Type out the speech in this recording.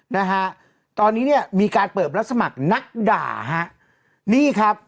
นะฮะตอนนี้เนี่ยมีการเปิดรับสมัครนักด่าฮะนี่ครับ